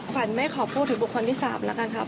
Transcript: ขวัญไม่ขอพูดถึงบุคคลที่๓แล้วกันครับ